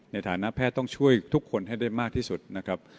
ในฐานะแพทย์ต้องช่วยทุกคนให้ได้มากที่สุดนะครับ